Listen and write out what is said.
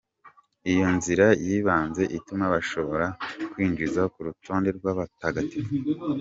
Iyo nzira y'ibanze ituma bashobora kwinjizwa ku rutonde rw'abatagatifu.